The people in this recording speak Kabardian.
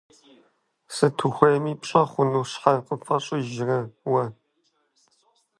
Сыт ухуейми пщӀэ хъуну щхьэ къыпфӀэщӀыжрэ уэ?